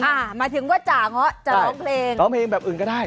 หมายถึงว่าจ่าเงาะจะร้องเพลงร้องเพลงแบบอื่นก็ได้